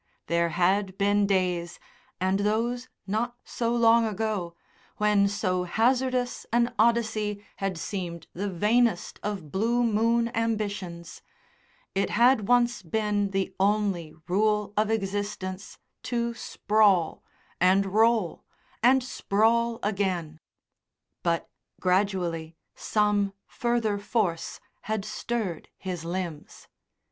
There had been days, and those not so long ago, when so hazardous an Odyssey had seemed the vainest of Blue Moon ambitions; it had once been the only rule of existence to sprawl and roll and sprawl again; but gradually some further force had stirred his limbs.